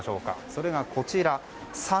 それがこちらさ